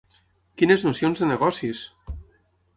Quines nocions de negocis!